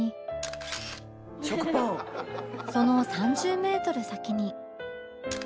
その３０メートル先に